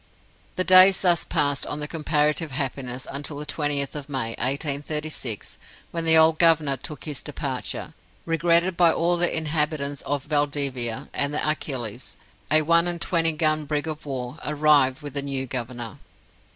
The days thus passed on in comparative happiness until the 20th of May, 1836, when the old Governor took his departure, regretted by all the inhabitants of Valdivia, and the Achilles, a one and twenty gun brig of war, arrived with the new Governor.